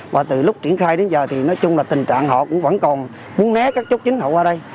và từ lúc triển khai đến giờ thì nói chung là tình trạng họ cũng vẫn còn muốn né các chốt chính họ qua đây